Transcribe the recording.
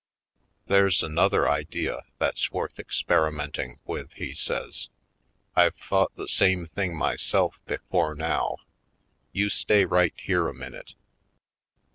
"There's another idea that's worth ex perimenting with," he says. "I've thought the same thing myself before now. You stay right here a minute."